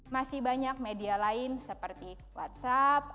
masih banyak media lain seperti whatsapp